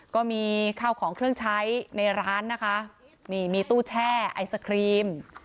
ก็มีข้าวของเครื่องใช้ในร้านนะคะนี่มีตู้แช่ไอศครีม